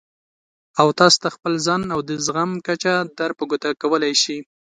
او تاسې ته خپل ځان او د زغم کچه در په ګوته کولای شي.